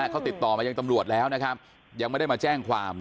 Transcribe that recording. เขาติดต่อมาจากตำรวจแล้วยังไม่ได้มาแจ้งความ